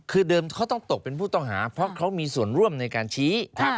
คือเดิมเขาต้องตกเป็นผู้ต้องหาเพราะเขามีส่วนร่วมในการชี้